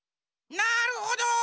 なるほど！